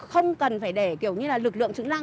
không cần phải để lực lượng chức năng